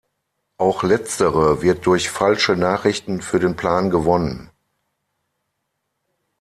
Auch letztere wird durch falsche Nachrichten für den Plan gewonnen.